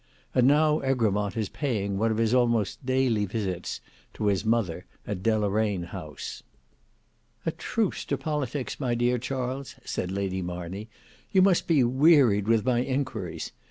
And now Egremont is paying one of his almost daily visits to his mother at Deloraine House. "A truce to politics, my dear Charles," said Lady Marney; "you must be wearied with my inquiries.